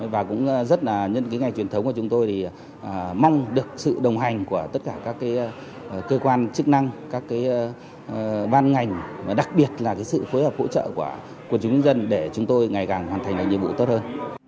và cũng rất là nhân cái ngày truyền thống của chúng tôi thì mong được sự đồng hành của tất cả các cái cơ quan chức năng các cái ban ngành và đặc biệt là cái sự phối hợp hỗ trợ của quân chúng dân để chúng tôi ngày càng hoàn thành những nhiệm vụ tốt hơn